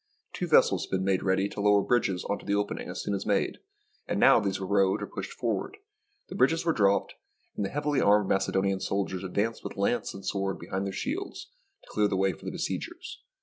Two vessels had been held ready to lower bridges into the opening as soon as made, and now these were rowed or pushed forward, the bridges were dropped, and the heavily armed Macedonian soldiers advanced with lance and sword behind their shields to clear the way for the besiegers.